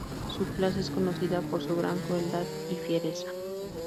Su clase es conocida por su gran crueldad y fiereza.